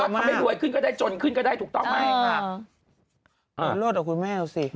สลากให้คุณแม่ดูสิ